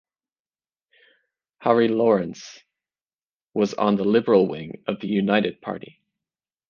Harry Lawrence was on the liberal wing of the United Party.